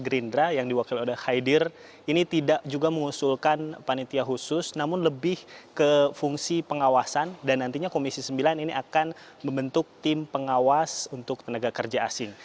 gerindra yang diwakil oleh khaidir ini tidak juga mengusulkan panitia khusus namun lebih ke fungsi pengawasan dan nantinya komisi sembilan ini akan membentuk tim pengawas untuk tenaga kerja asing